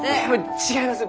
違います。